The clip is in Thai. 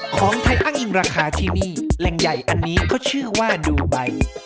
ของไทยอ้างอิงราคาที่นี่แหล่งใหญ่อันนี้เขาชื่อว่าดูไบ